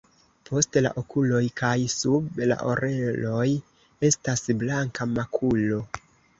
Post la okuloj kaj sub la oreloj estas blanka makulo.